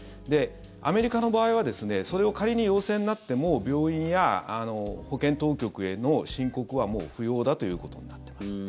アメリカの場合は仮に陽性になっても病院や保健当局への申告はもう不要だということになっています。